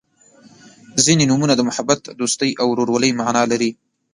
• ځینې نومونه د محبت، دوستۍ او ورورولۍ معنا لري.